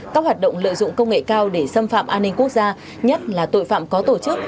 các hoạt động lợi dụng công nghệ cao để xâm phạm an ninh quốc gia nhất là tội phạm có tổ chức